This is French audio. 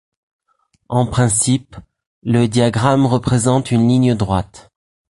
En principe, le diagramme représente une ligne droite.